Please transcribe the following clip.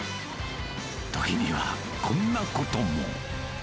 ときにはこんなことも。